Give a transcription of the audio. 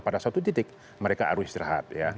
pada satu titik mereka arus istirahat